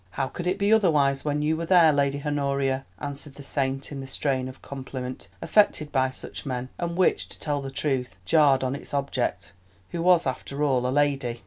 "How could it be otherwise when you were there, Lady Honoria?" answered the Saint in that strain of compliment affected by such men, and which, to tell the truth, jarred on its object, who was after all a lady.